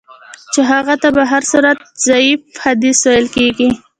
چي هغه ته په هر صورت ضعیف حدیث ویل کیږي.